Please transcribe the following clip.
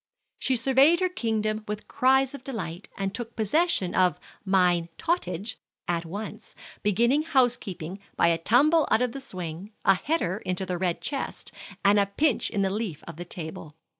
She surveyed her kingdom with cries of delight, and took possession of "mine tottage" at once, beginning housekeeping by a tumble out of the swing, a header into the red chest, and a pinch in the leaf of the table.